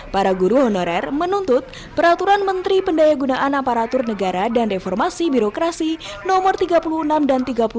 para guru honorer menuntut peraturan menteri pendaya gunaan aparatur negara dan reformasi birokrasi nomor tiga puluh enam dan tiga puluh dua